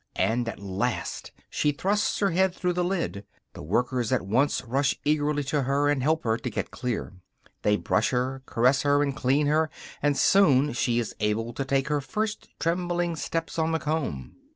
And at last she thrusts her head through the lid; the workers at once rush eagerly to her, and help her to get clear; they brush her, caress her and clean her, and soon she is able to take her first trembling steps on the comb.